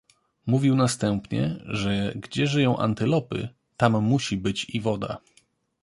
Mówił następnie, że, gdzie żyją antylopy, tam musi być i woda.